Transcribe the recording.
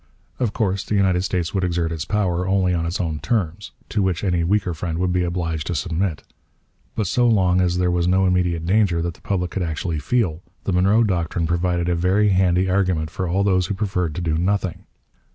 Of course the United States would exert its power only on its own terms, to which any weaker friend would be obliged to submit. But so long as there was no immediate danger that the public could actually feel, the Monroe Doctrine provided a very handy argument for all those who preferred to do nothing.